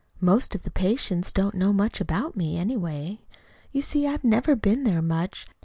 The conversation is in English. Most of the patients don't know much about me, anyway. You see, I've never been there much.